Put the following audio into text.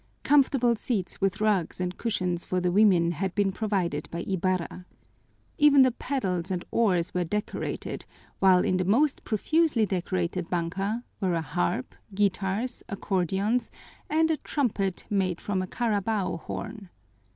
Comfortable seats with rugs and cushions for the women had been provided by Ibarra. Even the paddles and oars were decorated, while in the more profusely decorated banka were a harp, guitars, accordions, and a trumpet made from a carabao horn.